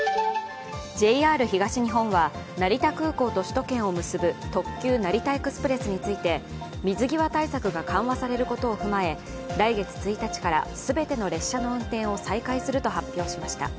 ＪＲ東日本は成田空港と首都圏を結ぶ特急成田エクスプレスについて水際対策が緩和されることを踏まえ来月１日から全ての列車の運転を再開すると発表しました。